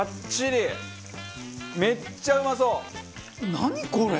めっちゃうまそう！